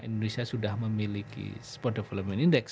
indonesia sudah memiliki sport development index